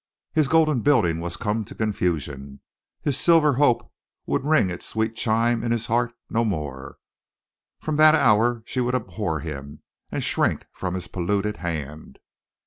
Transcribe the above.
His golden building was come to confusion, his silver hope would ring its sweet chime in his heart no more. From that hour she would abhor him, and shrink from his polluted hand.